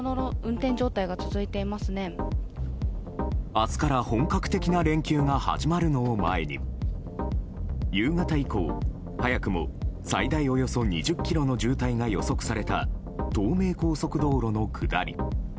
明日から本格的な連休が始まるのを前に夕方以降、早くも最大およそ２０ｋｍの渋滞が予測された東名高速道路の下り。